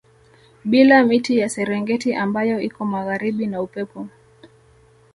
Bila miti ya Serengeti ambayo iko magharibi na Upepo